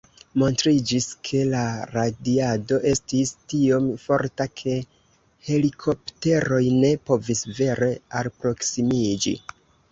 Montriĝis, ke la radiado estis tiom forta, ke helikopteroj ne povis vere alproksimiĝi.